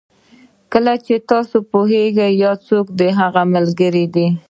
کله چې تاسو پوهېږئ څوک د هغه ملګري دي.